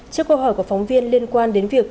trước câu hỏi của phóng viên liên quan đến việc